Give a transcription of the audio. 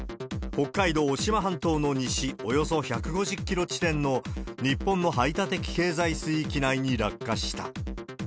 北海道渡島半島の西、およそ１５０キロ地点の日本の排他的経済水域内に落下した。